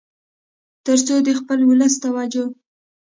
تر څو د خپل ولس توجه